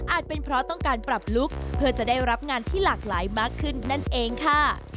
เป็นเพราะต้องการปรับลุคเพื่อจะได้รับงานที่หลากหลายมากขึ้นนั่นเองค่ะ